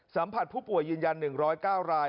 สัมผัสผู้ป่วยยืนยัน๑๐๙ราย